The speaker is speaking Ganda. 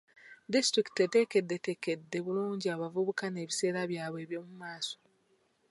Disitulikiti eteekeddeteekedde bulungi abavubuka n'ebiseera byabwe eby'omu maaso.